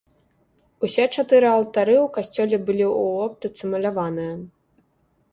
Усе чатыры алтары ў касцёле былі ў оптыцы маляваныя.